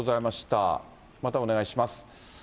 またお願いします。